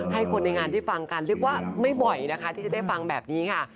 ให้คนในงานได้ฟังกันเรียกว่าไม่บ่อยนะคะที่จะได้ฟังแบบนี้ค่ะ